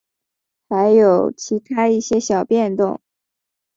还有其它一些小变动。